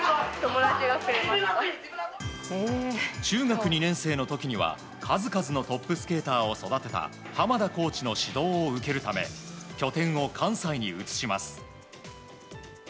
中学２年生の時には数々のトップスケーターを育てた濱田コーチの指導を受けるため拠点を関西に移します。